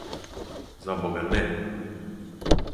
За бога, не!